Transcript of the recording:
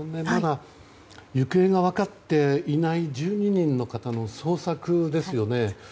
今、行方が分かっていない１２人の方の捜索ですよね。